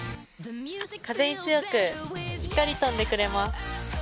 風に強く、しっかり飛んでくれます。